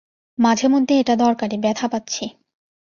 মাঝেমধ্যে এটা দরকারি - ব্যাথা পাচ্ছি!